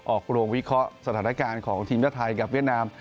ออกโรงวิเคราะห์สถานการณ์ของทีมชาติไทยกับเวียดนาม